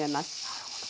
なるほど。